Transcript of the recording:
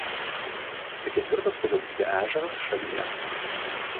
Tai ketvirtas pagal dydį ežeras šalyje.